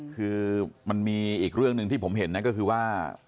คือมันมีอีกเรื่องหนึ่งที่ผมเห็นนะก็คือว่า